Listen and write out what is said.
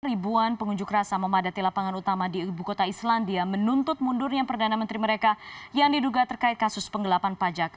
ribuan pengunjuk rasa memadati lapangan utama di ibu kota islandia menuntut mundurnya perdana menteri mereka yang diduga terkait kasus penggelapan pajak